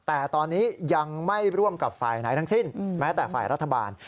แต่ตอนนี้ยังไม่ร่วมกับฝ่ายไหนทั้งสิ้นแม้แต่ฝ่ายรัฐบาล